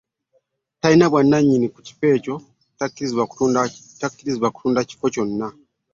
Tebalina bwannannyini mu kifo ekyo obubakkiriza okutunda ebifo by'ennono